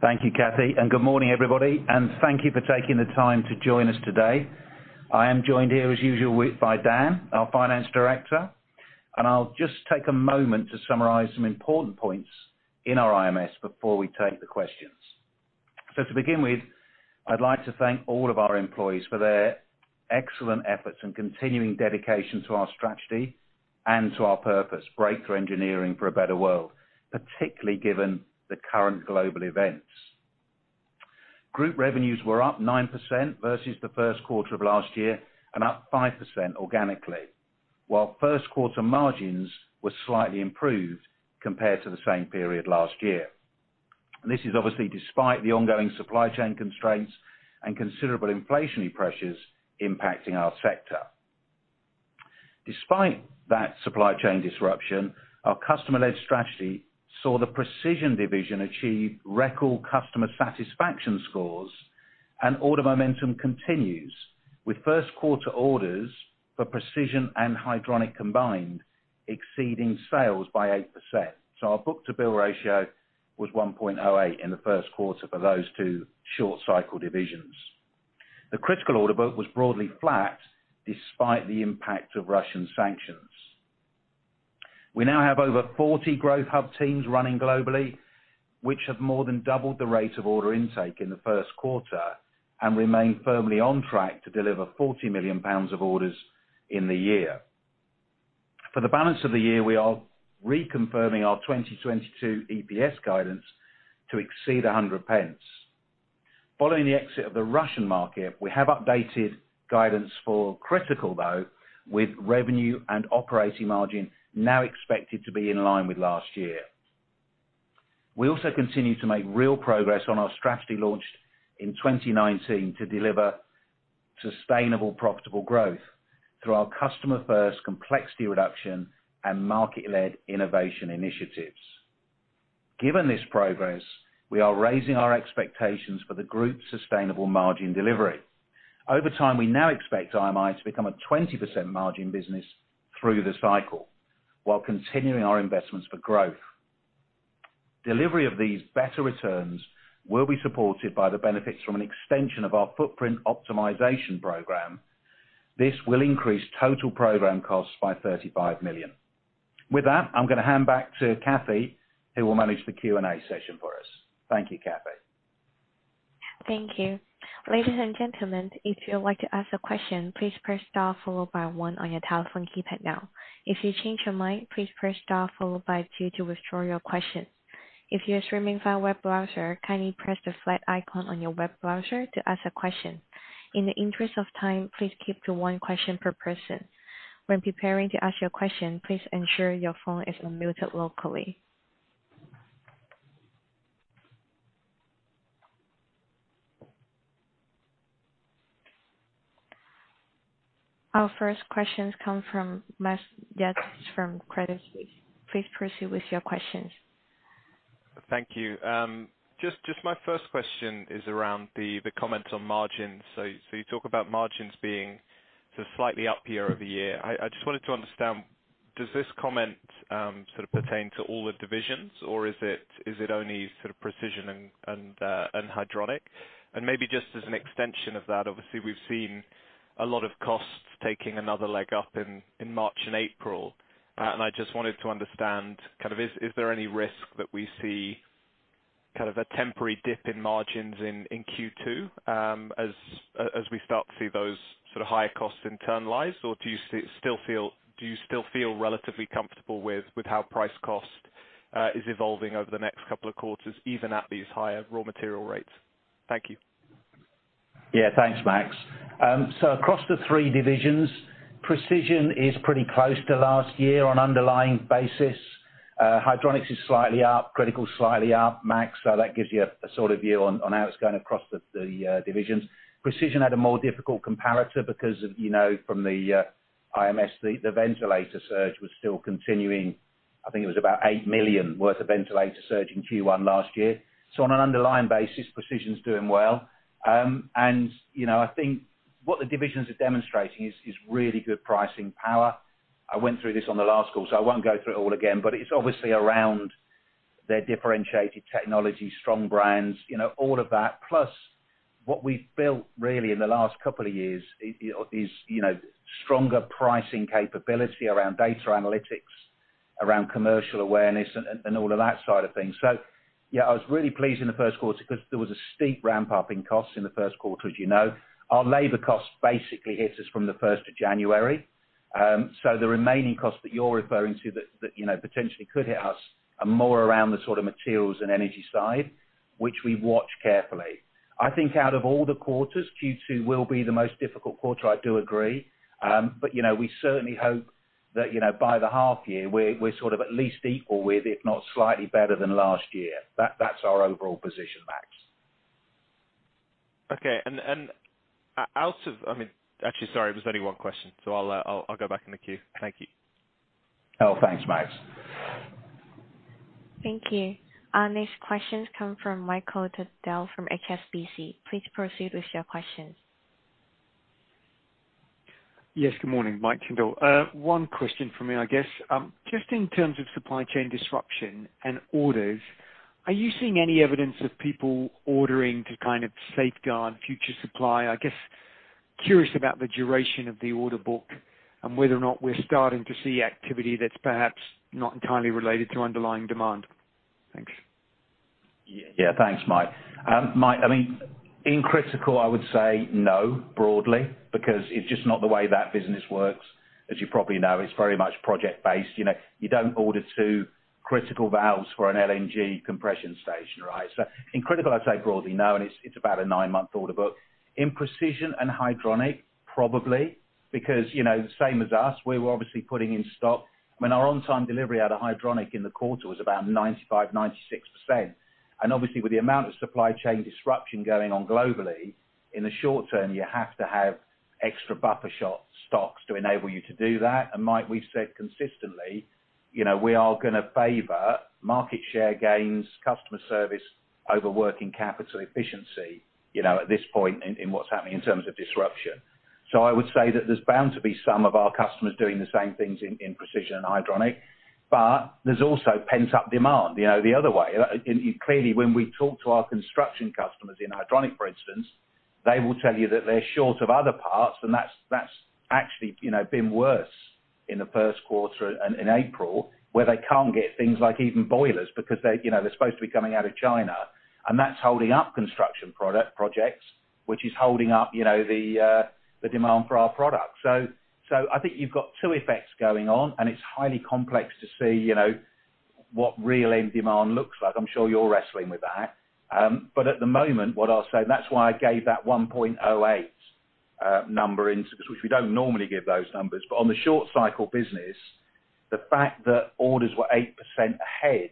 Thank you, Kathy, and good morning, everybody. Thank you for taking the time to join us today. I am joined here, as usual, by Dan, our finance director, and I'll just take a moment to summarize some important points in our IMS before we take the questions. To begin with, I'd like to thank all of our employees for their excellent efforts and continuing dedication to our strategy and to our purpose, Breakthrough Engineering for a better world, particularly given the current global events. Group revenues were up 9% versus the Q1 of last year and up 5% organically, while Q1 margins were slightly improved compared to the same period last year. This is obviously despite the ongoing supply chain constraints and considerable inflationary pressures impacting our sector. Despite that supply chain disruption, our customer-led strategy saw the Precision division achieve record customer satisfaction scores and order momentum continues, with Q1 orders for Precision and Hydronic combined exceeding sales by 8%. Our book-to-bill ratio was 1.08 in the Q1 for those two short cycle divisions. The Critical order book was broadly flat despite the impact of Russian sanctions. We now have over 40 Growth Hub teams running globally, which have more than doubled the rate of order intake in the Q1 and remain firmly on track to deliver 40 million pounds of orders in the year. For the balance of the year, we are reconfirming our 2022 EPS guidance to exceed 100 pence. Following the exit of the Russian market, we have updated guidance for Critical, though, with revenue and operating margin now expected to be in line with last year. We also continue to make real progress on our strategy launched in 2019 to deliver sustainable profitable growth through our customer-first complexity reduction and market-led innovation initiatives. Given this progress, we are raising our expectations for the group's sustainable margin delivery. Over time, we now expect IMI to become a 20% margin business through the cycle while continuing our investments for growth. Delivery of these better returns will be supported by the benefits from an extension of our footprint optimization program. This will increase total program costs by 35 million. With that, I'm gonna hand back to Kathy, who will manage the Q&A session for us. Thank you, Kathy. Thank you. Ladies and gentlemen, if you would like to ask a question, please press star followed by one on your telephone keypad now. If you change your mind, please press star followed by two to withdraw your question. If you're streaming via web browser, kindly press the flag icon on your web browser to ask a question. In the interest of time, please keep to one question per person. When preparing to ask your question, please ensure your phone is unmuted locally. Our first question comes from Max Yates from Credit Suisse. Please proceed with your questions. Thank you. Just my first question is around the comments on margins. You talk about margins being sort of slightly up year-over-year. I just wanted to understand, does this comment sort of pertain to all the divisions or is it only sort of Precision and Hydronic? Maybe just as an extension of that, obviously we've seen a lot of costs taking another leg up in March and April. Uh- I just wanted to understand kind of is there any risk that we see kind of a temporary dip in margins in Q2, as we start to see those sort of higher costs internalize? Or do you still feel relatively comfortable with how price cost is evolving over the next couple of quarters, even at these higher raw material rates? Thank you. Yeah, thanks, Max. Across the three divisions, Precision is pretty close to last year on underlying basis. Hydronic is slightly up, Critical slightly up, Max. That gives you a sort of view on how it's going across the divisions. Precision had a more difficult comparator because of, you know, from the IMS, the ventilator surge was still continuing. I think it was about 8 million worth of ventilator surge in Q1 last year. On an underlying basis, Precision's doing well. You know, I think what the divisions are demonstrating is really good pricing power. I went through this on the last call, so I won't go through it all again, but it's obviously around their differentiated technology, strong brands, you know, all of that. Plus what we've built really in the last couple of years is, you know, stronger pricing capability around data analytics, around commercial awareness and all of that side of things. Yeah, I was really pleased in the Q1 because there was a steep ramp-up in costs in the Q1, as you know. Our labor cost basically hits us from the first of January. The remaining costs that you're referring to that you know, potentially could hit us are more around the sort of materials and energy side, which we watch carefully. I think out of all the quarters, Q2 will be the most difficult quarter, I do agree. You know, we certainly hope that you know, by the half year, we're sort of at least equal with, if not slightly better than last year. That's our overall position, Max. Okay. I mean, actually, sorry, it was only one question, so I'll go back in the queue. Thank you. Oh, thanks, Max. Thank you. Our next questions come from Michael Sheridan from HSBC. Please proceed with your questions. Yes, good morning. Michael Sheridan. One question for me, I guess. Just in terms of supply chain disruption and orders, are you seeing any evidence of people ordering to kind of safeguard future supply? I guess, curious about the duration of the order book and whether or not we're starting to see activity that's perhaps not entirely related to underlying demand. Thanks. Yeah, thanks, Mike. Mike, I mean, in Critical, I would say no, broadly, because it's just not the way that business works. As you probably know, it's very much project based. You know, you don't order two Critical valves for an LNG compression station, right? In Critical, I'd say broadly no, and it's about a 9-month order book. In Precision and Hydronic, probably because, you know, same as us, we were obviously putting in stock. I mean, our on-time delivery out of Hydronic in the quarter was about 95, 96%. Obviously, with the amount of supply chain disruption going on globally, in the short term, you have to have extra buffer stocks to enable you to do that. Mike, we've said consistently, you know, we are gonna favor market share gains, customer service over working capital efficiency, you know, at this point in what's happening in terms of disruption. I would say that there's bound to be some of our customers doing the same things in Precision and Hydronic. There's also pent-up demand, you know, the other way. Clearly, when we talk to our construction customers in Hydronic, for instance, they will tell you that they're short of other parts, and that's actually, you know, been worse in the Q1 and in April, where they can't get things like even boilers because they're, you know, they're supposed to be coming out of China, and that's holding up construction projects, which is holding up, you know, the demand for our products. I think you've got two effects going on, and it's highly complex to see, you know, what real end demand looks like. I'm sure you're wrestling with that. At the moment, what I'll say, that's why I gave that 1.08 number in, because we don't normally give those numbers. On the short cycle business, the fact that orders were 8% ahead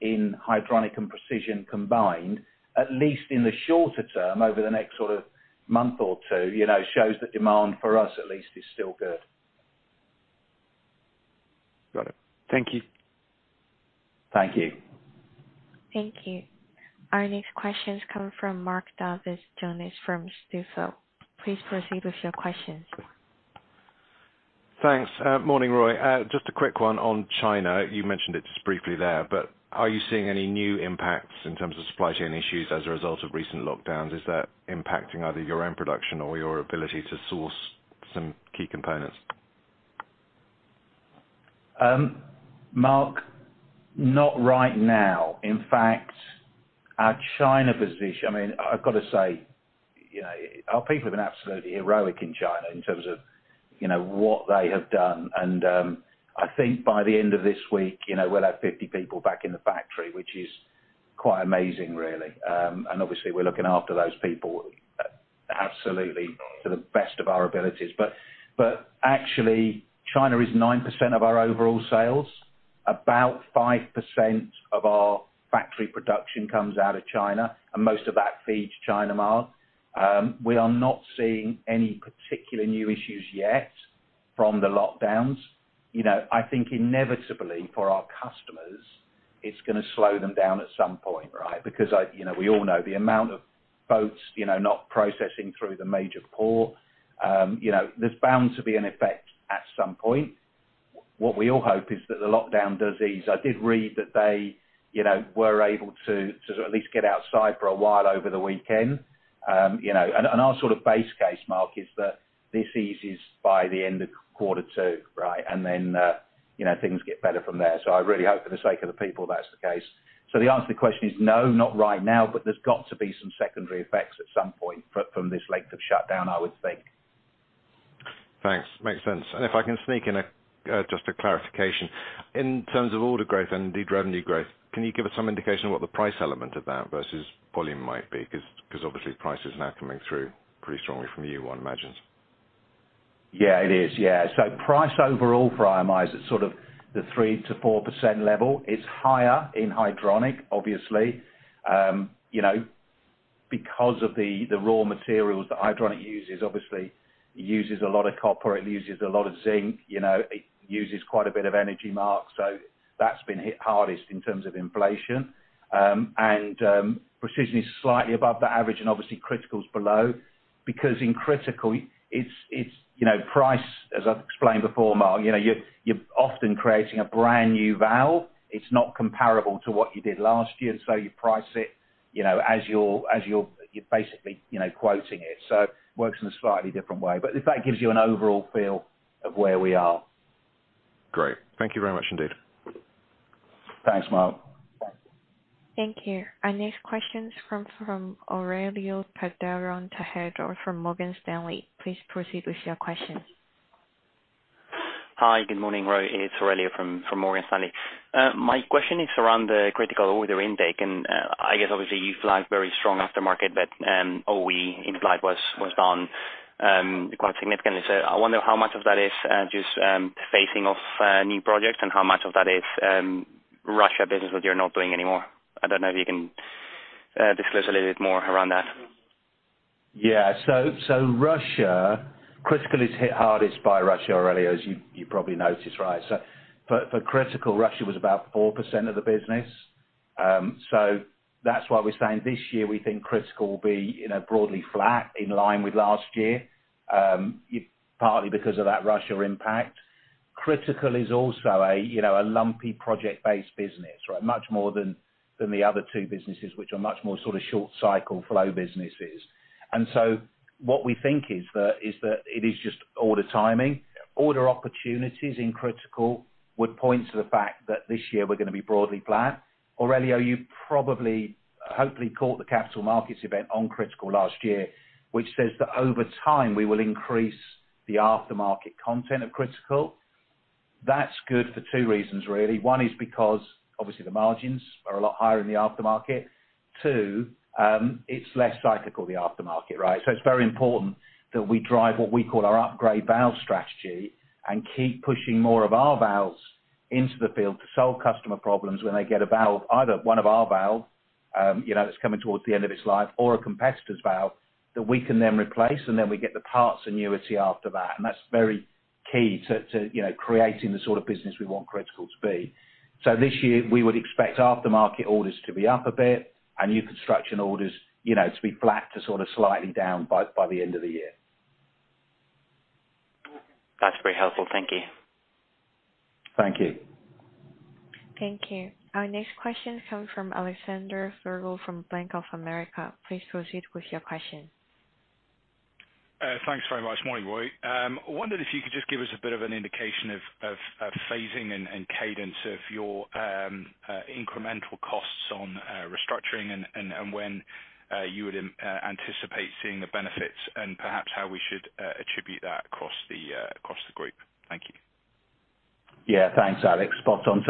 in Hydronic and Precision combined, at least in the shorter term over the next sort of month or two, you know, shows that demand for us at least is still good. Got it. Thank you. Thank you. Thank you. Our next questions come from Mark Davies Jones from Jefferies. Please proceed with your questions. Thanks. Morning, Roy. Just a quick one on China. You mentioned it just briefly there, but are you seeing any new impacts in terms of supply chain issues as a result of recent lockdowns? Is that impacting either your own production or your ability to source some key components? Mark, not right now. In fact, our China position, I mean, I've got to say, you know, our people have been absolutely heroic in China in terms of, you know, what they have done. I think by the end of this week, you know, we'll have 50 people back in the factory, which is quite amazing, really. Obviously we're looking after those people, absolutely to the best of our abilities. Actually, China is 9% of our overall sales. About 5% of our factory production comes out of China, and most of that feeds China mill. We are not seeing any particular new issues yet from the lockdowns. You know, I think inevitably for our customers, it's gonna slow them down at some point, right? Because I, you know, we all know the amount of boats, you know, not processing through the major port, you know, there's bound to be an effect at some point. What we all hope is that the lockdown does ease. I did read that they, you know, were able to at least get outside for a while over the weekend. You know, our sort of base case, Mark, is that this eases by the end of Q2, right? You know, things get better from there. I really hope for the sake of the people, that's the case. The answer to the question is no, not right now, but there's got to be some secondary effects at some point from this length of shutdown, I would think. Thanks. Makes sense. If I can sneak in a just a clarification. In terms of order growth and indeed revenue growth, can you give us some indication of what the price element of that versus volume might be? 'Cause obviously price is now coming through pretty strongly from you, one imagines. Yeah, it is. Yeah. Price overall for IMI is at sort of the 3%-4% level. It's higher in Hydronic, obviously. You know, because of the raw materials that Hydronic uses, obviously, it uses a lot of copper, it uses a lot of zinc, you know, it uses quite a bit of energy, Mark, so that's been hit hardest in terms of inflation. Precision is slightly above the average and obviously Critical's below. Because in Critical it's you know, price, as I've explained before, Mark, you know, you're often creating a brand new valve. It's not comparable to what you did last year, so you price it, you know, as you're basically quoting it. Works in a slightly different way. If that gives you an overall feel of where we are. Great. Thank you very much indeed. Thanks, Mark. Thank you. Our next question comes from Aurelio Calderon Tejedor from Morgan Stanley. Please proceed with your question. Hi, good morning, Roy. It's Aurelio from Morgan Stanley. My question is around the Critical order intake, and I guess obviously you flagged very strong aftermarket, but OE implied was down quite significantly. I wonder how much of that is just phasing of new projects and how much of that is Russia business that you're not doing anymore. I don't know if you can disclose a little bit more around that. Yeah. Russia. Critical is hit hardest by Russia, Aurelio, as you probably noticed, right? For Critical, Russia was about 4% of the business. That's why we're saying this year we think Critical will be broadly flat, in line with last year, partly because of that Russia impact. Critical is also a lumpy project-based business, right? Much more than the other two businesses, which are much more sort of short-cycle flow businesses. What we think is that it is just order timing. Order opportunities in Critical would point to the fact that this year we're gonna be broadly flat. Aurelio, you probably hopefully caught the capital markets event on Critical last year, which says that over time, we will increase the aftermarket content of Critical. That's good for two reasons, really. One is because obviously the margins are a lot higher in the aftermarket. Two, it's less cyclical, the aftermarket, right? It's very important that we drive what we call our upgrade valve strategy and keep pushing more of our valves into the field to solve customer problems when they get a valve, either one of our valve, you know, that's coming towards the end of its life or a competitor's valve that we can then replace, and then we get the parts annuity after that. That's very key to, you know, creating the sort of business we want Critical to be. This year we would expect aftermarket orders to be up a bit and new construction orders, you know, to be flat to sort of slightly down by the end of the year. That's very helpful. Thank you. Thank you. Thank you. Our next question comes from Alexander Virgo from Bank of America. Please proceed with your question. Thanks very much. Morning, Roy. I wondered if you could just give us a bit of an indication of phasing and cadence of your incremental costs on restructuring and when you would anticipate seeing the benefits and perhaps how we should attribute that across the group. Thank you. Yeah. Thanks, Alex. Spot on.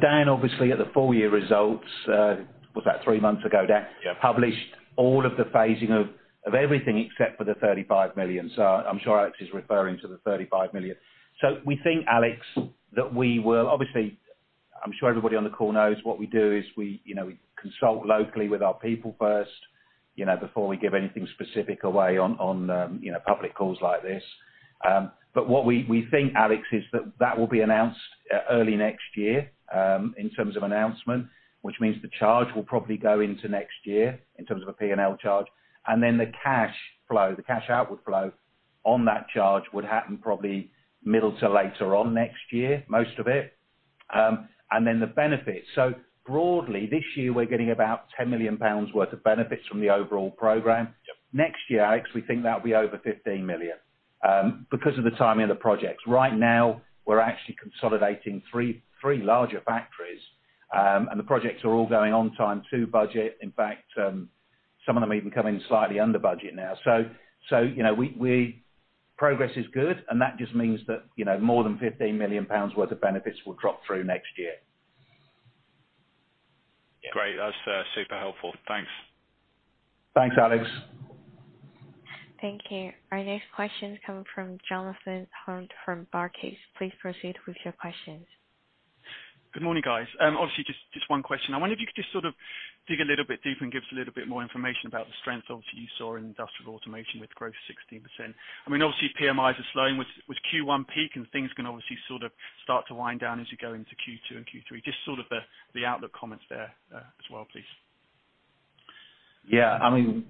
Dan, obviously at the full year results, was that three months ago, Dan? Yeah. Published all of the phasing of everything except for the 35 million. I'm sure Alex is referring to the 35 million. We think, Alex, that we will obviously I'm sure everybody on the call knows what we do is we, you know, we consult locally with our people first, you know, before we give anything specific away on you know public calls like this. What we think, Alex, is that that will be announced early next year in terms of announcement, which means the charge will probably go into next year in terms of a P&L charge. The cash flow, the cash outward flow on that charge would happen probably mid to late next year, most of it. The benefits. Broadly this year, we're getting about 10 million pounds worth of benefits from the overall program. Next year, Alex, we think that'll be over 15 million because of the timing of the projects. Right now, we're actually consolidating three larger factories, and the projects are all going on time to budget. In fact, some of them even come in slightly under budget now. You know, progress is good, and that just means that, you know, more than 15 million pounds worth of benefits will drop through next year. Great. That's super helpful. Thanks. Thanks, Alex. Thank you. Our next question comes from Jonathan Hurn from Barclays. Please proceed with your questions. Good morning, guys. Obviously just one question. I wonder if you could just sort of dig a little bit deeper and give us a little bit more information about the strength obviously you saw in Industrial Automation with growth 16%. I mean, obviously PMIs are slowing with Q1 peak, and things can obviously sort of start to wind down as you go into Q2 and Q3. Just sort of the outlook comments there, as well, please. Yeah. I mean,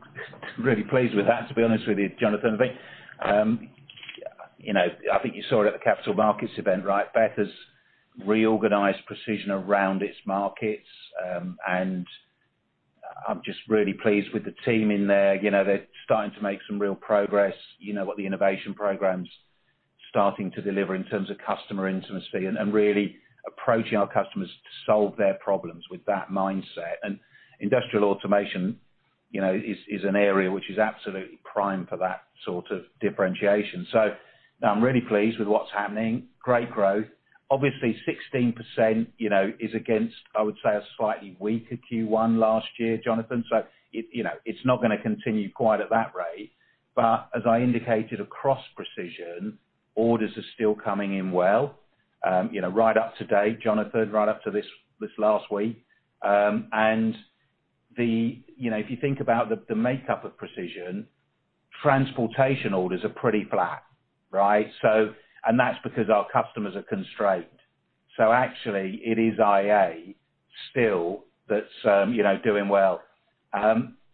really pleased with that, to be honest with you, Jonathan. You know, I think you saw it at the capital markets event, right? Beth has reorganized precision around its markets, and I'm just really pleased with the team in there. You know, they're starting to make some real progress, you know, with the innovation programs starting to deliver in terms of customer intimacy and really approaching our customers to solve their problems with that mindset. Industrial automation, you know, is an area which is absolutely prime for that sort of differentiation. I'm really pleased with what's happening. Great growth. Obviously 16%, you know, is against, I would say, a slightly weaker Q1 last year, Jonathan. It, you know, it's not gonna continue quite at that rate. As I indicated across precision, orders are still coming in well, you know, right up to date, Jonathan, right up to this last week. You know, if you think about the makeup of precision, transportation orders are pretty flat, right? That's because our customers are constrained. Actually it is IA still that's doing well.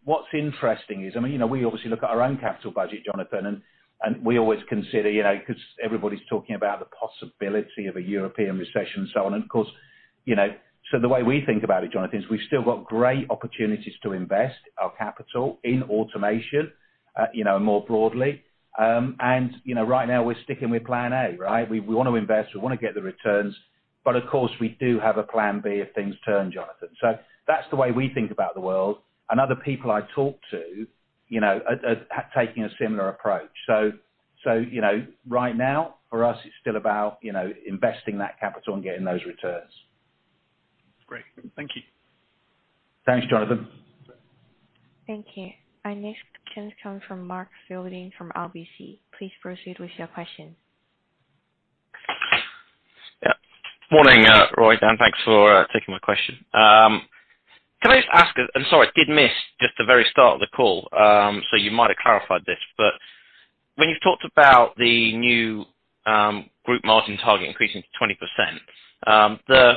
What's interesting is, I mean, you know, we obviously look at our own capital budget, Jonathan, and we always consider, you know, 'cause everybody's talking about the possibility of a European recession and so on. Of course, you know, the way we think about it, Jonathan, is we've still got great opportunities to invest our capital in automation, you know, more broadly. Right now we're sticking with plan A, right? We wanna invest, we wanna get the returns, but of course we do have a plan B if things turn, Jonathan. That's the way we think about the world, and other people I talk to, you know, are taking a similar approach. You know, right now for us, it's still about, you know, investing that capital and getting those returns. Great. Thank you. Thanks, Jonathan. Thank you. Our next question comes from Mark Fielding from RBC. Please proceed with your question. Yeah. Morning, Roy, Dan, thanks for taking my question. Can I just ask, sorry, I did miss just the very start of the call, so you might have clarified this, but. When you've talked about the new group margin target increasing to 20%, the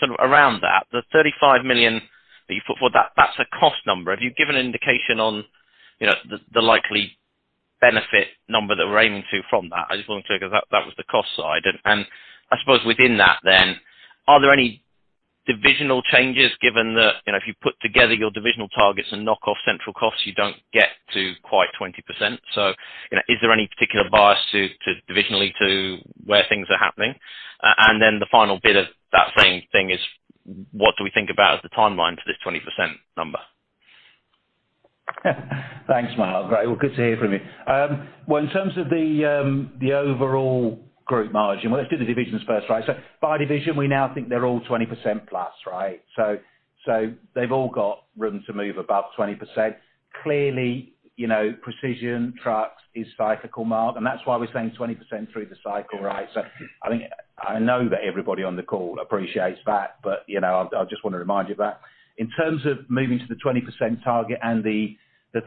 sort of around that, the 35 million that you put for that's a cost number. Have you given an indication on, you know, the likely benefit number that we're aiming to from that? I just want to be clear because that was the cost side. I suppose within that then, are there any divisional changes given that, you know, if you put together your divisional targets and knock off central costs, you don't get to quite 20%? You know, is there any particular bias to divisionally to where things are happening? The final bit of that same thing is what do we think about the timeline for this 20% number? Thanks, Mark. Right. Well, good to hear from you. Well, in terms of the overall group margin, well, let's do the divisions first, right? By division, we now think they're all 20%+, right? They've all got room to move above 20%. Clearly, you know, Precision Engineering is cyclical, Mark, and that's why we're saying 20% through the cycle, right? I think I know that everybody on the call appreciates that, but, you know, I just wanna remind you of that. In terms of moving to the 20% target and the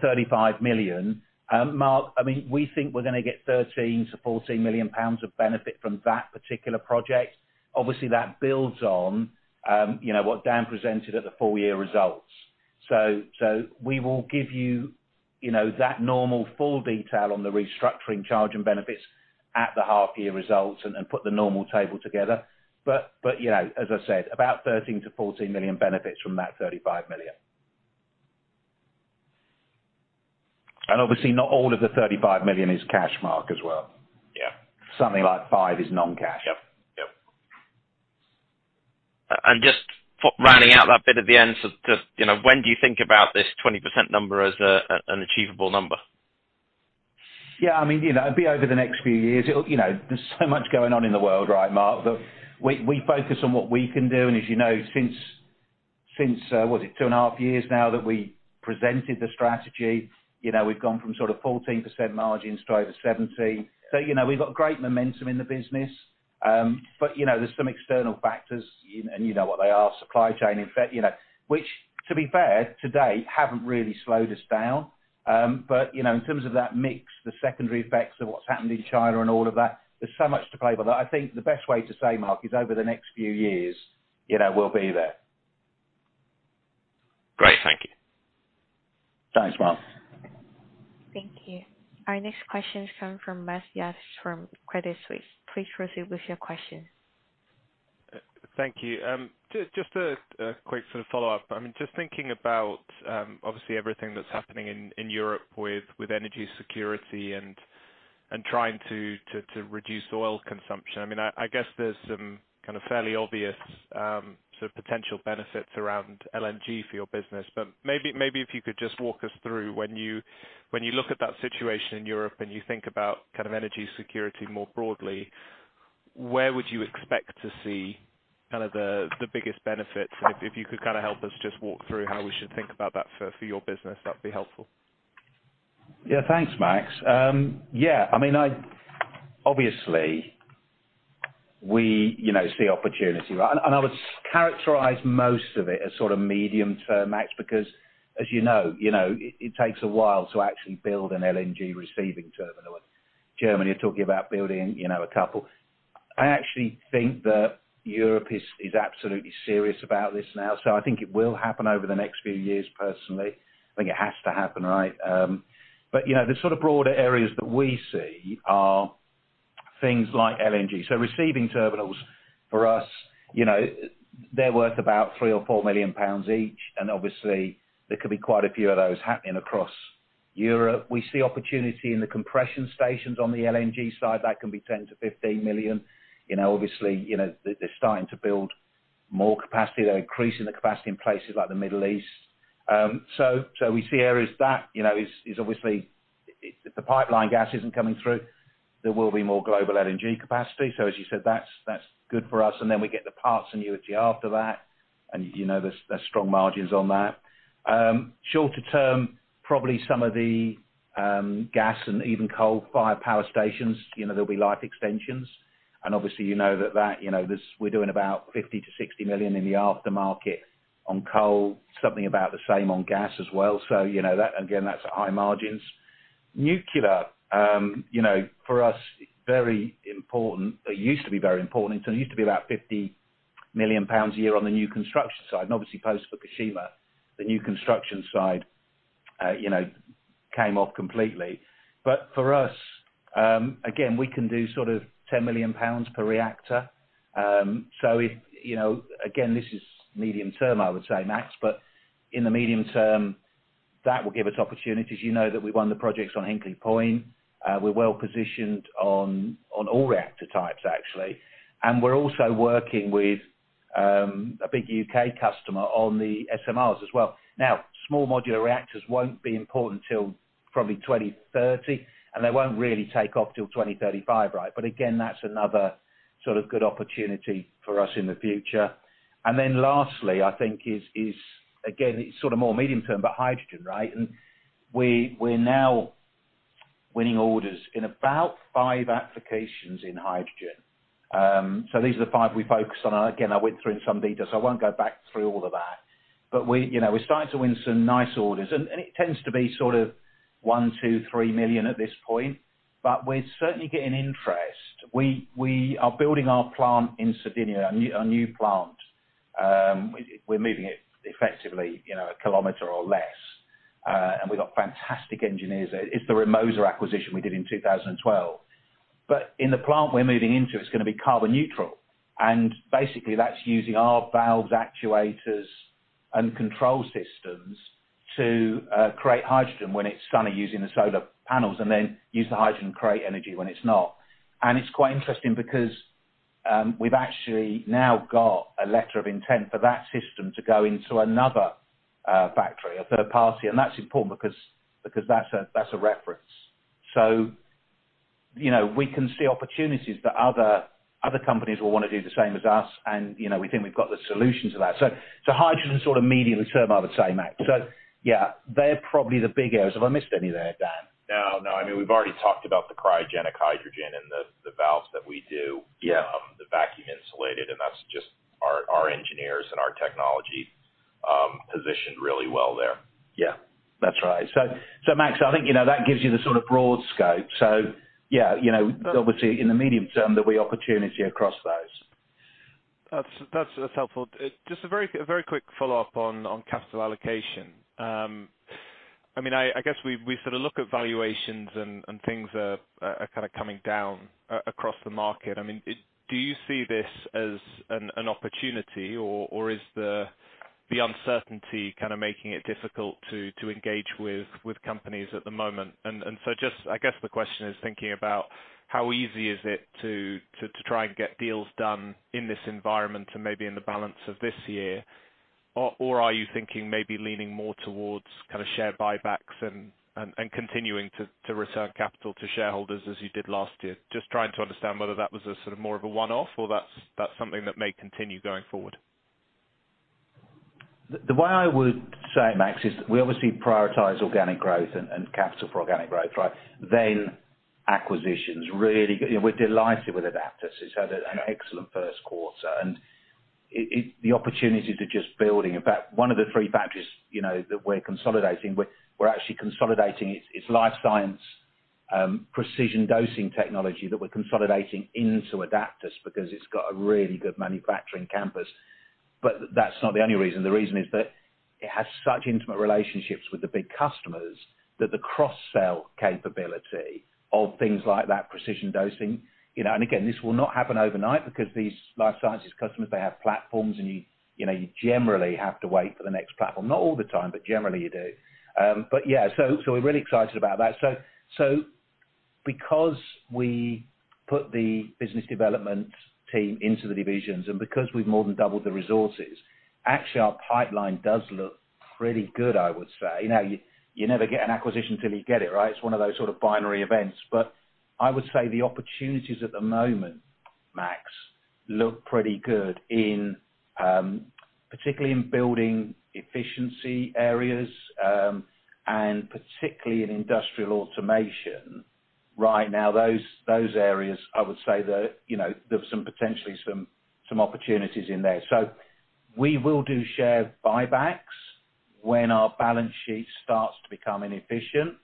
35 million, Mark, I mean, we think we're gonna get 13-14 million pounds of benefit from that particular project. Obviously, that builds on, you know, what Dan presented at the full year results. We will give you know, that normal full detail on the restructuring charge and benefits at the half year results and put the normal table together. You know, as I said, about 13-14 million benefits from that 35 million. Obviously, not all of the 35 million is cash, Mark, as well. Yeah. Something like 5 is non-cash. Yep. Just for rounding out that bit at the end. Just, you know, when do you think about this 20% number as an achievable number? Yeah, I mean, you know, it'd be over the next few years. It'll, you know, there's so much going on in the world right, Mark, that we focus on what we can do. As you know, since what is it? Two and a half years now that we presented the strategy, you know, we've gone from sort of 14% margins to over 17%. You know, we've got great momentum in the business. But, you know, there's some external factors and you know what they are, supply chain effect, you know. Which to be fair, today, haven't really slowed us down. But, you know, in terms of that mix, the secondary effects of what's happened in China and all of that, there's so much to play for that. I think the best way to say, Mark, is over the next few years, you know, we'll be there. Great. Thank you. Thanks, Mark. Thank you. Our next question is coming from Max Yates from Credit Suisse. Please proceed with your question. Thank you. Just a quick sort of follow-up. I mean, just thinking about obviously everything that's happening in Europe with energy security and trying to reduce oil consumption. I mean, I guess there's some kind of fairly obvious sort of potential benefits around LNG for your business. Maybe if you could just walk us through when you look at that situation in Europe and you think about kind of energy security more broadly, where would you expect to see kind of the biggest benefits? If you could kind of help us just walk through how we should think about that for your business, that'd be helpful. Yeah. Thanks, Max. I mean, obviously we, you know, see opportunity, right? I would characterize most of it as sort of medium term, Max, because as you know, it takes a while to actually build an LNG receiving terminal. Germany are talking about building, you know, a couple. I actually think that Europe is absolutely serious about this now, so I think it will happen over the next few years, personally. I think it has to happen, right? You know, the sort of broader areas that we see are things like LNG. Receiving terminals for us, you know, they're worth about 3-4 million pounds each, and obviously there could be quite a few of those happening across Europe. We see opportunity in the compression stations on the LNG side, that can be 10-15 million. You know, obviously, you know, they're starting to build more capacity. They're increasing the capacity in places like the Middle East. So we see areas that, you know, is obviously. If the pipeline gas isn't coming through, there will be more global LNG capacity. So as you said, that's good for us, and then we get the parts and valves after that. You know, there's strong margins on that. Shorter term, probably some of the gas and even coal-fired power stations, you know, there'll be life extensions. Obviously, you know that you know, we're doing about 50 million-60 million in the aftermarket on coal, something about the same on gas as well. You know, that again, that's high margins. Nuclear, you know, for us, very important. It used to be very important. It used to be about 50 million pounds a year on the new construction side. Obviously post-Fukushima, the new construction side, you know, came off completely. For us, again, we can do sort of 10 million pounds per reactor. If, you know, again, this is medium term, I would say, Max, but in the medium term, that will give us opportunities. You know that we won the projects on Hinkley Point. We're well-positioned on all reactor types, actually. We're also working with a big U.K. customer on the SMRs as well. Now, small modular reactors won't be important till probably 2030, and they won't really take off till 2035, right? Again, that's another sort of good opportunity for us in the future. Then lastly, I think is, again, it's sort of more medium term, but hydrogen, right? We're now winning orders in about five applications in hydrogen. So these are the five we focus on. Again, I went through in some detail, so I won't go back through all of that. But we, you know, we're starting to win some nice orders, and it tends to be sort of 1 million, two million, 3 million at this point. But we're certainly getting interest. We are building our plant in Sardinia, a new plant. We're moving it effectively, you know, a kilometer or less. And we've got fantastic engineers there. It's the Remosa acquisition we did in 2012. In the plant we're moving into, it's gonna be carbon neutral, and basically that's using our valves, actuators, and control systems to create hydrogen when it's sunny using the solar panels and then use the hydrogen to create energy when it's not. It's quite interesting because we've actually now got a letter of intent for that system to go into another factory, a third party, and that's important because that's a reference. You know, we can see opportunities that other companies will wanna do the same as us. You know, we think we've got the solution to that. Hydrogen sort of medium term, I would say, Max. Yeah, they're probably the big areas. Have I missed any there, Dan? No, no. I mean, we've already talked about the cryogenic hydrogen and the valves that we do. Yeah. The vacuum insulated. That's just our engineers and our technology positioned really well there. Yeah. That's right. Max, I think you know, that gives you the sort of broad scope. Yeah, you know, obviously in the medium term, there'll be opportunity across those. That's helpful. Just a very quick follow-up on capital allocation. I mean, I guess we sort of look at valuations and things are kinda coming down across the market. I mean, do you see this as an opportunity, or is the uncertainty kind of making it difficult to engage with companies at the moment? I guess the question is thinking about how easy is it to try and get deals done in this environment and maybe in the balance of this year? Or are you thinking maybe leaning more towards kind of share buybacks and continuing to return capital to shareholders as you did last year? Just trying to understand whether that was a sort of more of a one-off or that's something that may continue going forward. The way I would say it, Max, is we obviously prioritize organic growth and capital for organic growth, right? Acquisitions. Really, you know, we're delighted with Adaptas. It's had an excellent first quarter, and it's the opportunity that's just building. In fact, one of the three factories, you know, that we're consolidating, we're actually consolidating its life science precision dosing technology that we're consolidating into Adaptas because it's got a really good manufacturing campus. That's not the only reason. The reason is that it has such intimate relationships with the big customers that the cross-sell capability of things like that precision dosing, you know. Again, this will not happen overnight because these life sciences customers, they have platforms and you know, you generally have to wait for the next platform. Not all the time, but generally you do. We're really excited about that. Because we put the business development team into the divisions and because we've more than doubled the resources, actually our pipeline does look pretty good, I would say. You know, you never get an acquisition till you get it, right? It's one of those sort of binary events. I would say the opportunities at the moment, Max, look pretty good particularly in building efficiency areas and particularly in Industrial Automation. Right now, those areas, I would say that, you know, there's some potentially some opportunities in there. We will do share buybacks when our balance sheet starts to become inefficient,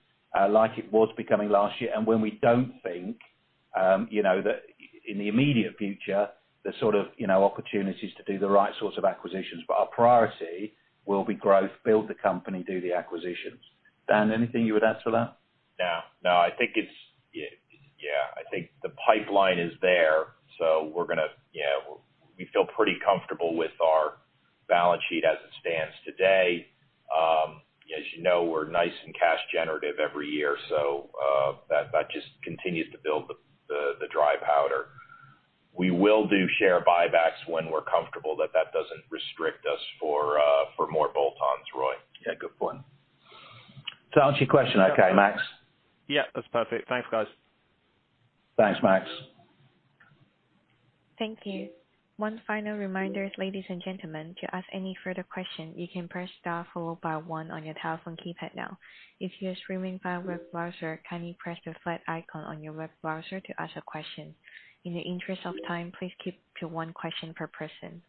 like it was becoming last year. When we don't think, you know, that in the immediate future, the sort of, you know, opportunities to do the right sorts of acquisitions. Our priority will be growth, build the company, do the acquisitions. Dan, anything you would add to that? I think the pipeline is there, so we're gonna. We feel pretty comfortable with our balance sheet as it stands today. As you know, we're nice and cash generative every year, so that just continues to build the dry powder. We will do share buybacks when we're comfortable that that doesn't restrict us for more bolt-ons, Roy. Yeah. Good point. To answer your question, okay, Max? Yeah, that's perfect. Thanks, guys. Thanks, Max. Thank you. One final reminder, ladies and gentlemen. To ask any further question, you can press star followed by one on your telephone keypad now. If you are streaming via web browser, kindly press the flag icon on your web browser to ask a question. In the interest of time, please keep to one question per person.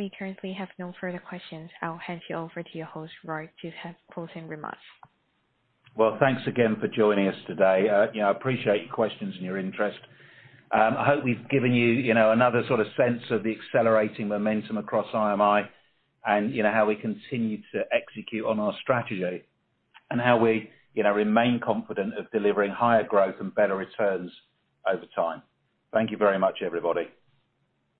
We currently have no further questions. I'll hand you over to your host, Roy, to have closing remarks. Well, thanks again for joining us today. I appreciate your questions and your interest. I hope we've given you know, another sort of sense of the accelerating momentum across IMI and you know, how we continue to execute on our strategy and how we, you know, remain confident of delivering higher growth and better returns over time. Thank you very much, everybody.